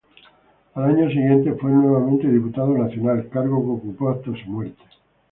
Al año siguiente fue nuevamente diputado nacional, cargo que ocupó hasta su muerte.